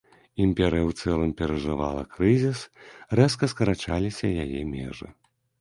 Імперыя ў цэлым перажывала крызіс, рэзка скарачаліся яе межы.